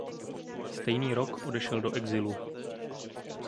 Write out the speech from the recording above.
Stejný rok odešel do exilu.